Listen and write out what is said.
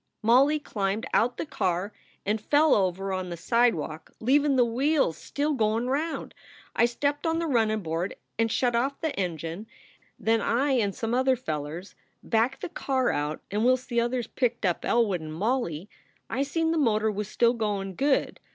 " Molly climbed out the car and fell over on the sidewalk, leavin the wheels still goin round. I stepped on the runnin board and shut off the engine. Then I and some other fellers backed the car out, and whilst the others picked up Elwood and Molly, I seen the motor was still goin good.